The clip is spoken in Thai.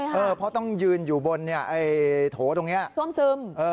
เพราะต้องยืนอยู่บนโถตรงนี้ซ่วมซึม